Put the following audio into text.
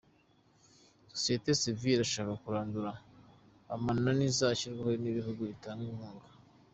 Sosiyete Sivile irashaka kurandura amananiza ashyirwaho n’ibihugu bitanga inkunga